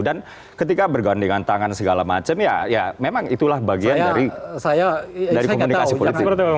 dan ketika bergandingan tangan segala macam ya memang itulah bagian dari komunikasi politik